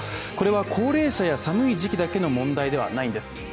これは高齢者や寒い時期だけの問題ではないんです。